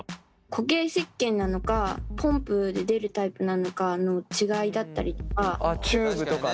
固形せっけんなのかポンプで出るタイプなのかの違いだったりとか。